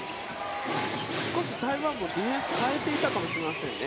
少し台湾もディフェンス変えていたかもしれませんね